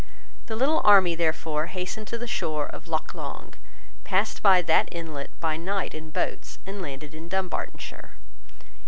The little army therefore hastened to the shore of Loch Long, passed that inlet by night in boats, and landed in Dumbartonshire.